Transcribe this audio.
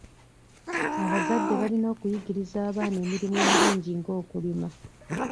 Abazadde balina okuyigiriza abaana emirimu emirungi ng'okulima.